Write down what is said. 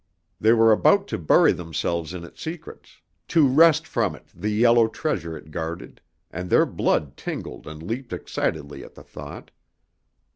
They were about to bury themselves in its secrets, to wrest from it the yellow treasure it guarded, and their blood tingled and leaped excitedly at the thought.